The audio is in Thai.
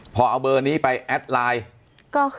พอเอาเบอร์นี้ไปแอดไลน์